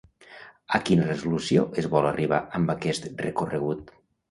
A quina resolució es vol arribar amb aquest recorregut?